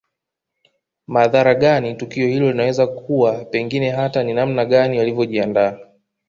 Madhara gani tukio hilo linaweza kuwa pengine hata ni namna gani walivyojiandaa